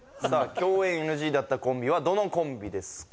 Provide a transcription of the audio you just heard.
共演ＮＧだったコンビはどのコンビですか？